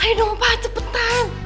aduh pak cepetan